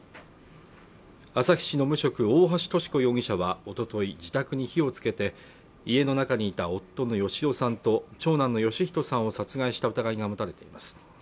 旭市の無職大橋とし子容疑者はおととい自宅に火をつけて家の中にいた夫の芳男さんと長男の芳人さんを殺害した疑いが持たれています